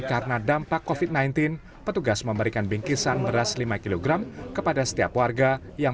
karena dampak kofit sembilan belas petugas memberikan bingkisan beras lima kg kepada setiap warga yang